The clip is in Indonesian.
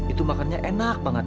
itu makannya enak banget